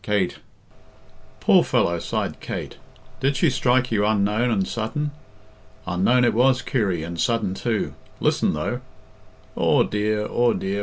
Kate " "Poor fellow!" sighed Kate. "Did she strike you unknown and sudden?" "Unknown it was, Kirry, and sudden, too. Listen, though " "Aw dear, aw dear!